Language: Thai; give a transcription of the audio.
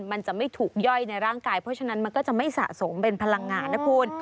มันจะไม่ถูกย่อยในร่างกายเพราะฉะนั้นมันก็จะไม่สะสมเป็นพลังงานนะคุณ